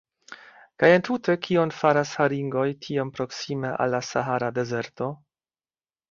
Kaj entute kion faras haringoj tiom proksime al la Sahara dezerto?